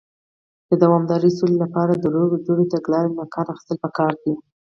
د دوامدارې سولې لپاره، د روغې جوړې تګلارې نۀ کار اخيستل پکار دی.